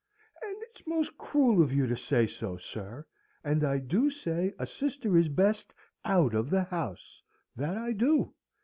And it's most cruel of you to say so, sir. And I do say a sister is best out of the house, that I do!